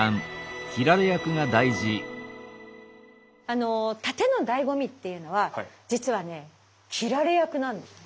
あの殺陣のだいご味っていうのは実はね斬られ役なんです。